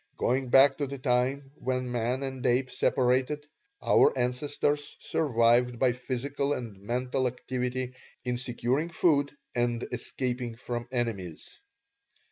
Going back to the time when man and ape separated, our ancestors survived by physical and mental activity in securing food and escaping from enemies.